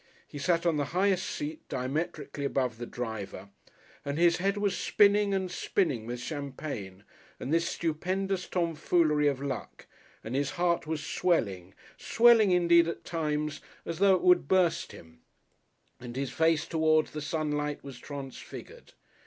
He sat on the highest seat diametrically above the driver and his head was spinning and spinning with champagne and this stupendous Tomfoolery of Luck and his heart was swelling, swelling indeed at times as though it would burst him, and his face towards the sunlight was transfigured.